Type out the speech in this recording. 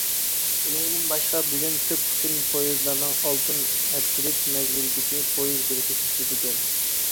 ئۇنىڭدىن باشقا، بۈگۈن كۆپ قىسىم پويىزلارنىڭ ئالتۇن ھەپتىلىك مەزگىلىدىكى پويىز بېلىتى سېتىلىدىكەن.